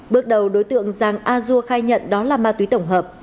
bước đầu đối tượng giàng a dua khai nhận đó là ma túy tổng hợp